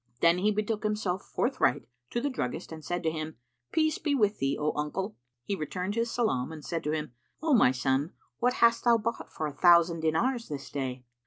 Then he betook himself forthright to the druggist and said to him, "Peace be with thee, O uncle!" He returned his salam and said to him, "O my son, what hast thou bought for a thousand dinars this day?"